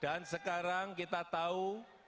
dan sekarang kita tahu